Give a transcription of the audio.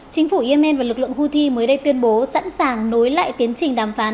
chính phủ yemen và lực lượng houthi mới đây tuyên bố sẵn sàng nối lại tiến trình đàm phán